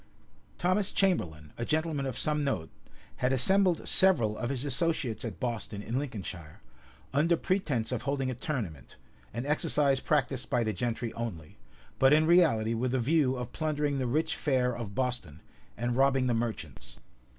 Thomas Chamberlain, a gentleman of some note, had assembled several of his associates at Boston, in Lincolnshire, under pretence of holding a tournament, an exercise practised by the gentry only; but in reality with a view of plundering the rich fair of Boston, and robbing the merchants.